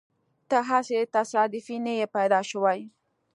ته هسې تصادفي نه يې پیدا شوی.